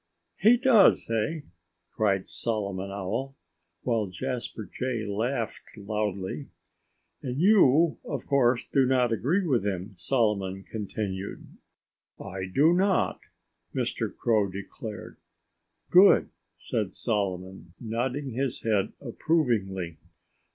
"He does, eh?" cried Solomon Owl, while Jasper Jay laughed loudly. "And you, of course, do not agree with him," Solomon continued. "I do not!" Mr. Crow declared. "Good!" said Solomon, nodding his head approvingly.